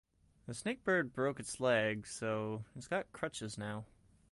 The snakebird broke its leg so it’s got crutches now.